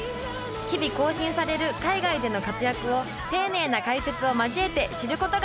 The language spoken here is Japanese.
日々更新される海外での活躍を丁寧な解説を交えて知ることができるんです！